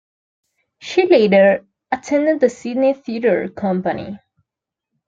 She later attended the Sydney Theatre Company.